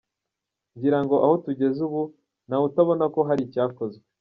Ngirango aho tugeze ubu ntawutabona ko hari icyakozwe.